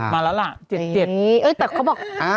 ๗มาแล้วล่ะ๗๗